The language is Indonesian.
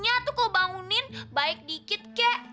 nyapu kalo bangunin baik dikit kek